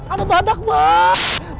ada badak bang